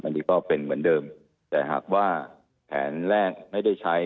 อันนี้ก็เป็นเหมือนเดิมแต่หากว่าแผนแรกไม่ได้ใช้